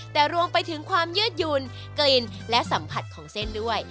แต่รวมไปถึงความยืดหยุ่นกลิ่นและสัมผัสของเส้นด้วย